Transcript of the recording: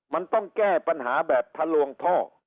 มันต้องแก้ปัญหาแบบทะลวงท่อ